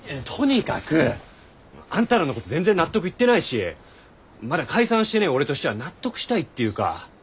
とにかくあんたらのこと全然納得いってないしまだ解散してねぇ俺としては納得したいっていうか。